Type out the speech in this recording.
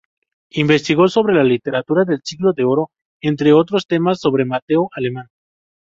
Investigó sobre la literatura del Siglo de Oro, entre otros temas sobre Mateo Alemán.